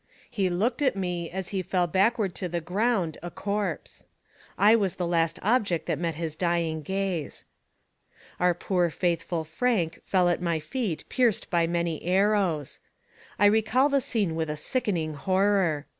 He looked at me as he fell backward to the ground a corpse. I was the last object that met his dying gaze. Our poor faithful Frank fell at my feet pierced by many arrows. I recall the scene with a sickening horror.